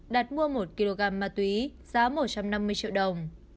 đạt mua một kg ma túy giá một trăm năm mươi triệu đồng